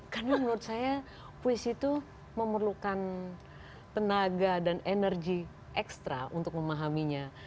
karena menurut saya puisi itu memerlukan tenaga dan energi ekstra untuk memahaminya